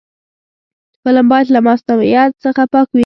فلم باید له مصنوعیت څخه پاک وي